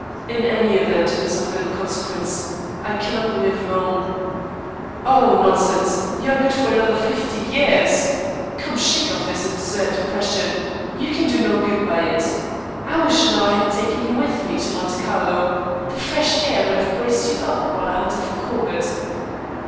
"In any event, it is of little consequence. I cannot live long." "Oh, nonsense. You are good for another fifty years. Come, shake off this absurd depression. You can do no good by it. I wish now I had taken you with me to Monte Carlo. The fresh air would have braced you up while I hunted for Corbett."